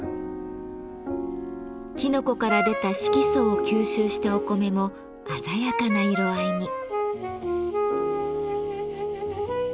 きのこから出た色素を吸収したお米も鮮やかな色合いに。